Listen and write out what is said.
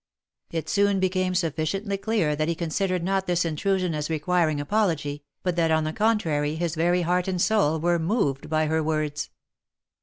It soon became sufficiently clear that he con sidered not this intrusion as requiring apology, but that on the con trary his very heart and soul were moved by her words.